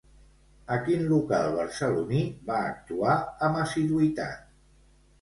A quin local barceloní va actuar amb assiduïtat?